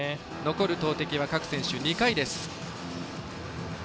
残る投てきは各選手２回です。